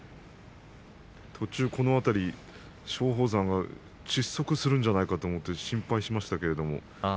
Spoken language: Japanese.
途中、松鳳山は窒息するんじゃないかと心配しましたけれども。